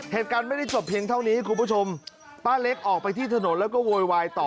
เหตุการณ์ไม่ได้จบเพียงเท่านี้คุณผู้ชมป้าเล็กออกไปที่ถนนแล้วก็โวยวายต่อ